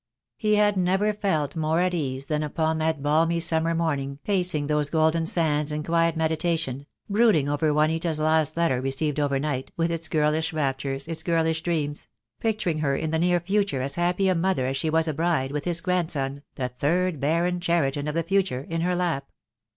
He had never felt more at ease than upon that balmy summer morning, pacing those golden sands in quiet me ditation— brooding over Juanita's last letter received over night— with its girlish raptures, its girlish dreams; picturing her in the near future as happy a mother as she was a bride, with his grandson, the third Baron Cheriton of the THE DAY WILL COME. IO3 future, in her lap.